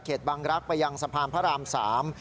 เขตบังรักษ์ไปยังสะพามพระราม๓